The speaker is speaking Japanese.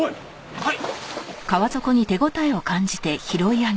はい。